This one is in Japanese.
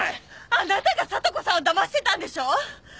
あなたが聡子さんをだましてたんでしょ！？